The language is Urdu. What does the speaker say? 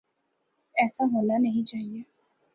ایسا ہونا نہیں چاہیے۔